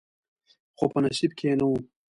خو په نصیب کې یې نه و.